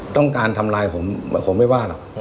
ต้องการทำลายผมไม่ว่าหรอก